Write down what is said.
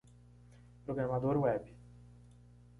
Programador Web.